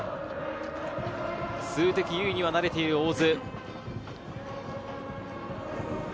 数的優位には慣れている大津。